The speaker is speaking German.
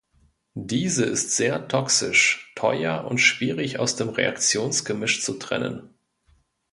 Diese ist sehr toxisch, teuer und schwierig aus dem Reaktionsgemisch zu trennen.